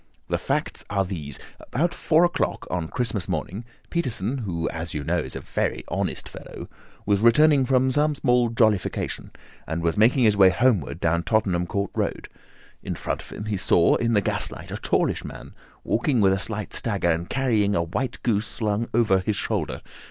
The facts are these: about four o'clock on Christmas morning, Peterson, who, as you know, is a very honest fellow, was returning from some small jollification and was making his way homeward down Tottenham Court Road. In front of him he saw, in the gaslight, a tallish man, walking with a slight stagger, and carrying a white goose slung over his shoulder.